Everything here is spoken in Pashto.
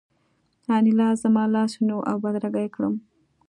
انیلا زما لاس ونیو او بدرګه یې کړم